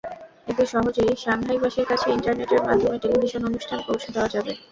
এতে সহজেই সাংহাইবাসীর কাছে ইন্টারনেটের মাধ্যমে টেলিভিশন অনুষ্ঠান পৌঁছে দেওয়া যাবে।